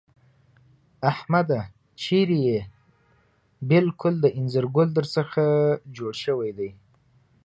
احمده! چېرې يې؟ بالکل د اينځر ګل در څخه جوړ شوی دی.